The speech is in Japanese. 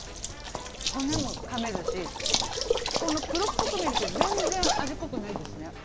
骨もかめるし、この黒っぽく見えるけど、全然味濃くないですね。